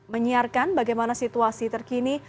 menyiarkan bagaimana situasi terkini